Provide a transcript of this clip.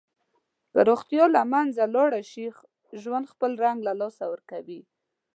که روغتیا له منځه لاړه شي، ژوند خپل رنګ له لاسه ورکوي.